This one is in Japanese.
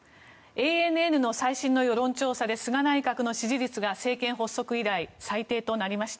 ＡＮＮの最新の世論調査で菅総理の支持率が政権発足以来最低となりました。